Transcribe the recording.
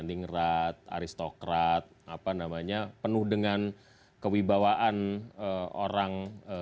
dingrat aristokrat penuh dengan kewibawaan orang